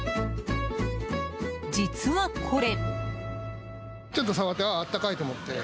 実はこれ。